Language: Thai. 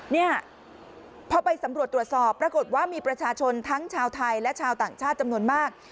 เนี่ยพอไปสำรวจตรวจสอบปรากฏว่ามีประชาชนทั้งชาวไทยและชาวต่างชาติจำนวนมาก